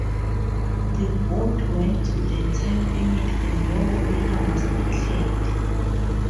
The bout went to the time limit and no winner was declared.